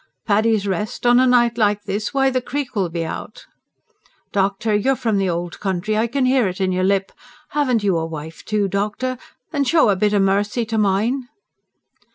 "Paddy's Rest? On a night like this? Why, the creek will be out." "Doctor! you're from th' ould country, I can hear it in your lip. Haven't you a wife, too, doctor? Then show a bit o' mercy to mine!"